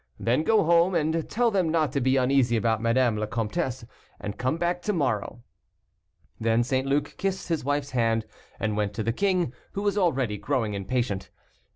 Then go home, and tell them not to be uneasy about Madame la Comtesse, and come back to morrow." Then St. Luc kissed his wife's hand, and went to the king, who was already growing impatient.